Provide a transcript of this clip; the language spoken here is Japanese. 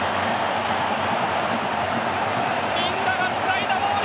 みんながつないだゴール。